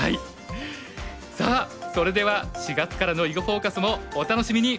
さあそれでは４月からの「囲碁フォーカス」もお楽しみに！